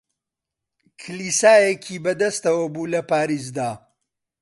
کلیسایەکی بە دەستەوە بوو لە پاریسدا